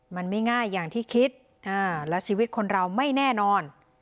มันไม่ง่ายอย่างที่คิดและชีวิตคนเราไม่แน่นอน